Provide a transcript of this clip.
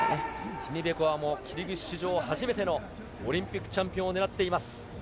ティニベコワも、キルギス史上初めてのオリンピックチャンピオンを狙っています。